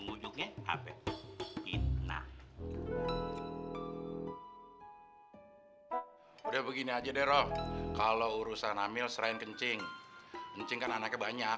udah begini aja deh roh kalau urusan amil sering kencing kencing kan anaknya banyak